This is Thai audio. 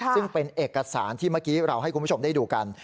ซึ่งเป็นเอกสารที่เมื่อกี้เราให้คุณผู้ชมได้ดูกัน